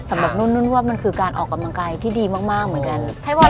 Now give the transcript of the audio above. สำหรับนุ่นว่ามันคือการออกกำลังกายที่ดีมากเหมือนกัน